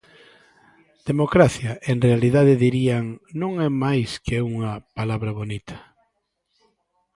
"Democracia", en realidade, dirían, non é máis que unha "palabra bonita".